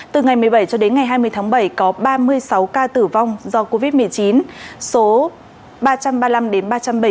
từ ngày một mươi bảy cho đến ngày hai mươi tháng bảy có ba mươi sáu ca tử vong do covid một mươi chín số ba trăm ba mươi năm đến ba trăm bảy mươi bảy